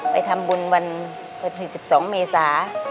ไปทำบุญวันที่๑๒เมษา